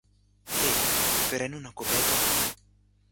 Té, pren una copeta amb mi.